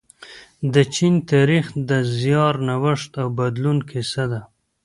د چین تاریخ د زیار، نوښت او بدلون کیسه ده.